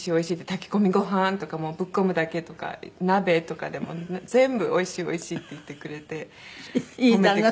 炊き込みご飯とかもぶっ込むだけとか鍋とかでも全部「おいしいおいしい」って言ってくれて。